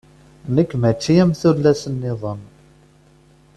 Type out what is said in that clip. Nekk mačči am tullas-niḍen.